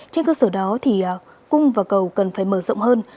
trên cơ sở đó thì cung và cầu cần phải mở rộng hơn